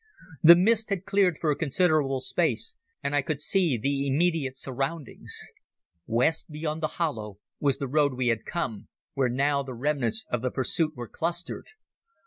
The mist had cleared for a considerable space, and I could see the immediate surroundings. West, beyond the hollow, was the road we had come, where now the remnants of the pursuit were clustered.